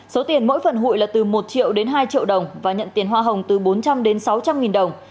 số tiền mỗi phần hụi là từ một triệu đến hai triệu đồng và nhận tiền hoa hồng từ bốn trăm linh đến sáu trăm linh nghìn đồng